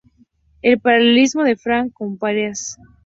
El paralelismo de "Far West" con "¡Piratas!